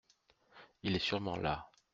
Il est sûrement là.